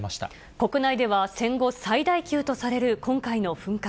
国内では戦後最大級とされる今回の噴火。